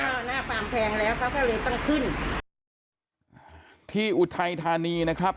ก็หน้าฟาร์มแพงแล้วเขาก็เลยต้องขึ้นที่อุทัยธานีนะครับ